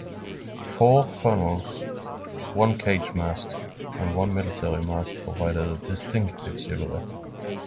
Four funnels, one cage mast, and one military mast provided a distinctive silhouette.